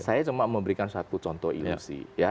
saya cuma memberikan satu contoh ilusi